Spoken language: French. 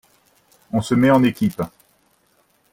On se met en équipe?